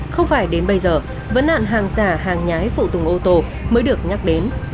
không phải đến bây giờ vấn nạn hàng giả hàng nhái phụ tùng ô tô mới được nhắc đến